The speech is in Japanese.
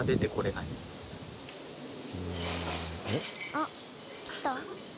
あっ来た？